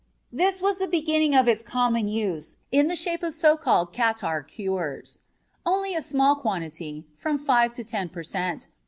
This was the beginning of its common use in the shape of so called catarrh cures. Only a small quantity from five to ten per cent.